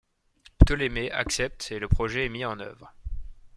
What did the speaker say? Ptolémée accepte et le projet est mis en œuvre.